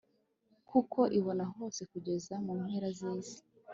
kuko ibona hose kugeza mu mpera z'isi